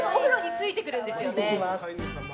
ついてきます。